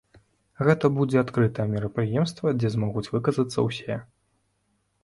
Гэта будзе адкрытае мерапрыемства, дзе змогуць выказацца ўсе.